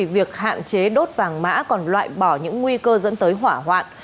việc hạn chế đốt vàng mã còn loại bỏ những nguy cơ dẫn tới hỏa hoạn